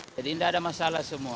jadi tidak ada masalah semua